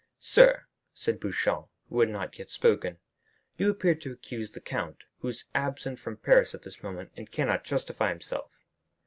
"Sir," said Beauchamp, who had not yet spoken, "you appear to accuse the count, who is absent from Paris at this moment, and cannot justify himself."